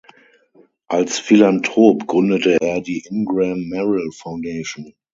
Als Philanthrop gründete er die "Ingram Merrill Foundation".